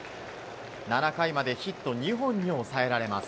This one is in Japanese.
７回までヒット２本に抑えられます。